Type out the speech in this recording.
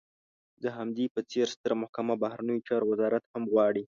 د همدې په څېر ستره محکمه، بهرنیو چارو وزارت هم غواړي.